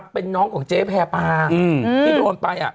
เป็นน้องของเจ๊แพรปาที่โดนไป